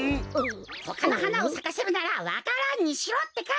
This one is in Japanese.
ほかのはなをさかせるならわか蘭にしろってか！